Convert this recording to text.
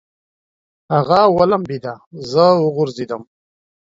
هغه ولمبېده، زه وغورځېدم.